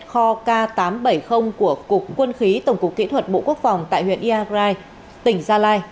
kho k tám trăm bảy mươi của cục quân khí tổng cục kỹ thuật bộ quốc phòng tại huyện iagrai tỉnh gia lai